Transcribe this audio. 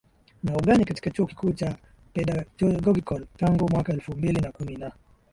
na ugani katika chuo kikuu cha Pedagogical tangu mwaka elfu mbili na kumi na